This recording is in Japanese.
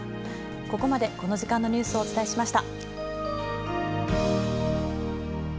ここまで、この時間のニュースをお伝えしました。